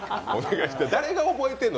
誰が覚えてんの？